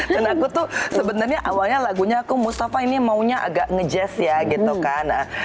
dan aku tuh sebenarnya awalnya lagunya aku mustafa ini maunya agak nge jazz ya gitu kan